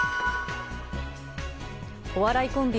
お笑いコンビ